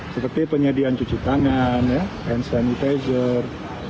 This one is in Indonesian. seperti penyediaan cuci tangan hand sanitizer